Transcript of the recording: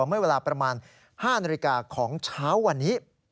เมื่อเวลาประมาณ๕นาฬิกาของเช้าวันนี้